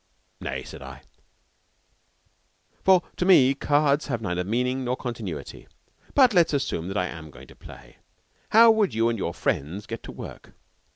"Nay," said I, "for to me cards have neither meaning nor continuity; but let us assume that I am going to play. How would you and your friends get to work?